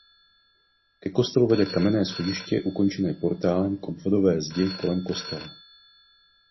Ke kostelu vede kamenné schodiště ukončené portálem v obvodové zdi kolem kostela.